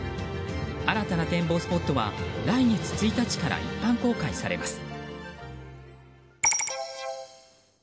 新たな展望スポットは来月１日から一般公開されます。